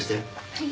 はい。